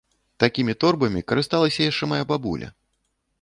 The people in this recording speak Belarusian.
Такімі торбамі карысталася яшчэ мая бабуля!